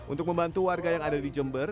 untuk membantu warga yang ada di jember